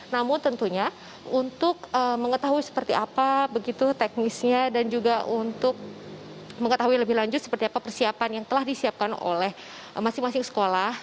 namun tentunya untuk mengetahui seperti apa begitu teknisnya dan juga untuk mengetahui lebih lanjut seperti apa persiapan yang telah disiapkan oleh masing masing sekolah